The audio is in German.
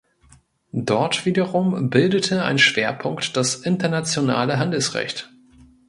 Dort wiederum bildete ein Schwerpunkt das internationale Handelsrecht.